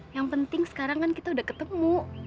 yang penting sekarang kan kita udah ketemu